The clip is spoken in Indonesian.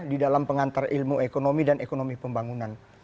di dalam pengantar ilmu ekonomi dan ekonomi pembangunan